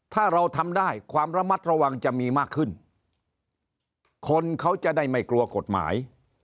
ถ้าเราทำได้ความระมัดระวังจะมีมากขึ้นคนเขาจะได้ไม่กลัวกฎหมาย